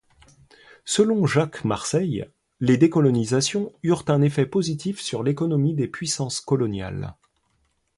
Selon Jacques Marseille, les décolonisations eurent un effet positif sur l'économie des puissances coloniales.